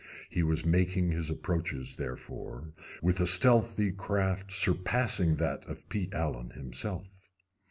He was making his approaches, therefore, with a stealthy craft surpassing that of Pete Allen himself.